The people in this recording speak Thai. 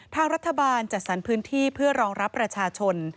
ทางรัฐบาลจัดสรรพื้นที่เพื่อรองรับประชาชน